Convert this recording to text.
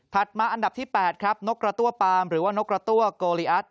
มาอันดับที่๘ครับนกกระตั้วปามหรือว่านกกระตั้วโกลิอัต